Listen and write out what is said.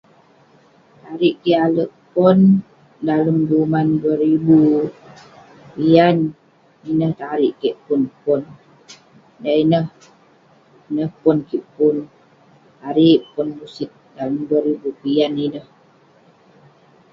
tarik kik alek pon, dalem duman duah ribu pian, jin ineh tarik keik pun pon, da ineh, ineh pon kik pun..tarik pon musit, dalem duah ribu pian ineh.